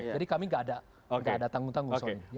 jadi kami gak ada tanggung tanggung soalnya